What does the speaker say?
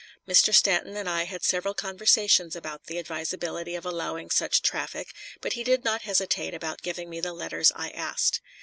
Mr. Stanton and I had several conversations about the advisability of allowing such traffic, but he did not hesitate about giving me the letters I asked.